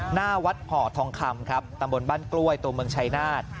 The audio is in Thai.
หน้าวัดห่อทองคำครับตำบลบ้านกล้วยตัวเมืองชายนาฏ